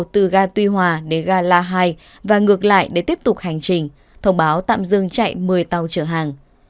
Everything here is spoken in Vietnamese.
từ ga tuy hòa đến gala hai và ngược lại để tiếp tục hành trình thông báo tạm dừng chạy một mươi tàu chở hàng